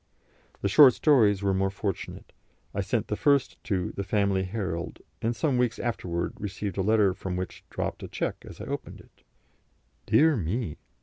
The short stories were more fortunate. I sent the first to the Family Herald, and some weeks afterwards received a letter from which dropped a cheque as I opened it. Dear me!